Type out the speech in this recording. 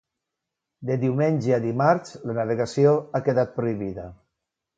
De diumenge a dimarts, la navegació ha quedat prohibida.